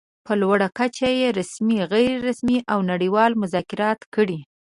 په لوړه کچه يې رسمي، غیر رسمي او نړۍوال مذاکرات کړي.